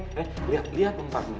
nenek lihat lihat bang parmin